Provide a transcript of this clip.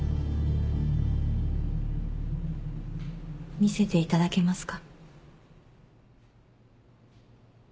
見せていただけますか？